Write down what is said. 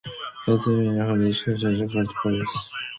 Catherine chose the third course to pursue.